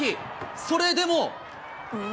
それでも。